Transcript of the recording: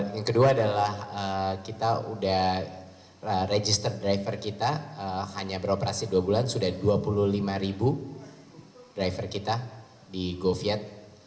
yang kedua adalah kita sudah register driver kita hanya beroperasi dua bulan sudah dua puluh lima ribu driver kita di goviet